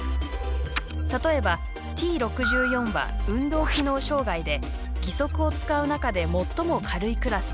例えば、Ｔ６４は運動機能障がいで義足を使う中で最も軽いクラスです。